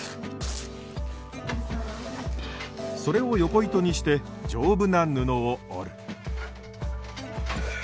それを横糸にして丈夫な布を織る。